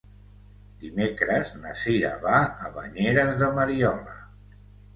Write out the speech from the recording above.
Dimecres na Cira va a Banyeres de Mariola.